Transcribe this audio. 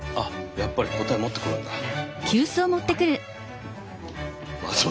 やっぱり答え持ってくるんだ松元くんが。